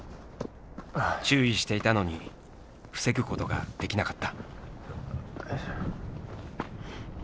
注意していたのに防ぐことができなかった。